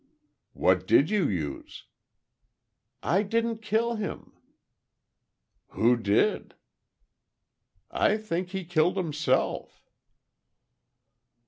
"What did you use?" "I didn't kill him." "Who did?" "I think he killed himself."